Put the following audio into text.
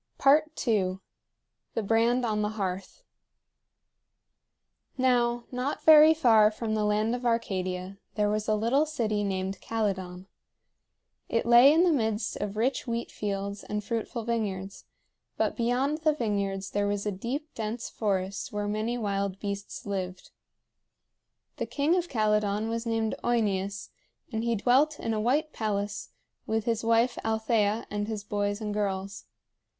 II. THE BRAND ON THE HEARTH. Now, not very far from the land of Arcadia there was a little city named Calydon. It lay in the midst of rich wheat fields and fruitful vineyards; but beyond the vineyards there was a deep dense forest where many wild beasts lived. The king of Calydon was named OEneus, and he dwelt in a white palace with his wife Althea and his boys and girls.